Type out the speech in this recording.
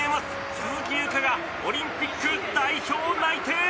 鈴木優花がオリンピック代表内定。